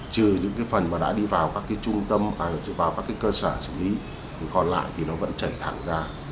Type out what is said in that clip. trừ những cái phần mà đã đi vào các trung tâm vào các cơ sở xử lý còn lại thì nó vẫn chảy thẳng ra